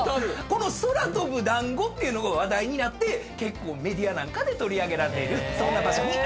この空飛ぶだんごっていうのが話題になって結構メディアなんかで取り上げられるそんな場所になるんですね。